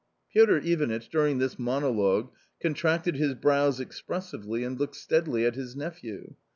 Piotr Ivanitch during this monologue contracted his brows expressively and looked steadily at his nephew.